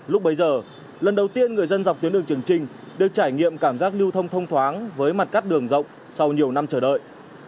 lúc bấy giờ lần đầu tiên người dân dọc tuyến đường trường trinh được trải nghiệm cảm giác lưu thông thông thoáng với mặt cắt đường rộng sau nhiều năm chờ đợi